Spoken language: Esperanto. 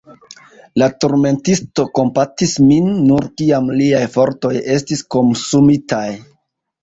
La turmentisto kompatis min, nur kiam liaj fortoj estis komsumitaj.